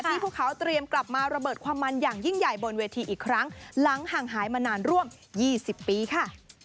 พวกเขาเตรียมกลับมาระเบิดความมันอย่างยิ่งใหญ่บนเวทีอีกครั้งหลังห่างหายมานานร่วม๒๐ปีค่ะ